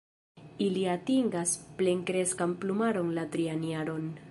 Ili atingas plenkreskan plumaron la trian jaron.